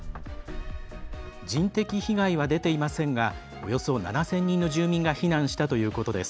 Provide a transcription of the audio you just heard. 人的被害は出ていませんがおよそ７０００人の住民が避難したということです。